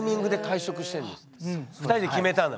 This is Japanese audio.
２人で決めたんだ？